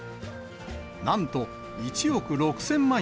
なんと、１億６０００万円。